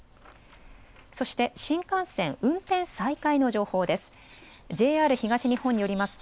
そして新幹線運転再開の情報です。